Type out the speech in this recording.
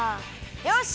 よし！